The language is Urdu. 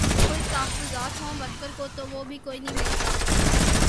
کوئی تحفظات ہوں ورکر کو تو وہ بھی کوئی نہیں ملتا